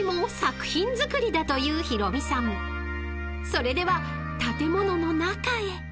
［それでは建物の中へ］